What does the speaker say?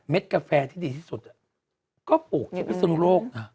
กาแฟที่ดีที่สุดก็ปลูกที่พิศนุโลกนะ